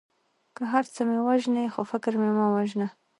که هر څه مې وژنې خو فکر مې مه وژنه.